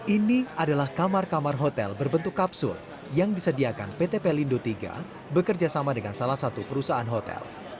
ini adalah kamar kamar hotel berbentuk kapsul yang disediakan pt pelindo iii bekerjasama dengan salah satu perusahaan hotel